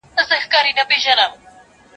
هر چيري چي زړه ځي، هلته پښې ځي.